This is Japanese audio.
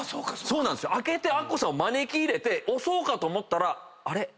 開けてアッコさんを招き入れて押そうかと思ったらあれっ？